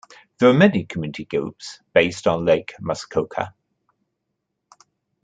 There are many community groups based on Lake Muskoka.